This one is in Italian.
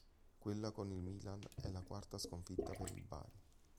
Quella con il Milan è la quarta sconfitta per il Bari.